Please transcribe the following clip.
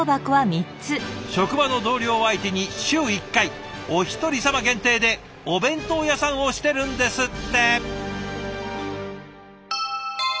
職場の同僚相手に週１回おひとりさま限定でお弁当屋さんをしてるんですって！